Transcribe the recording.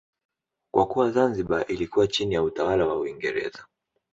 Kwa kuwa Zanzibar ilikuwa chini ya utawala wa Uingereza